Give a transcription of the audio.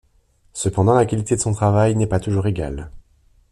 Cependant la qualité de son travail n'est pas toujours égale.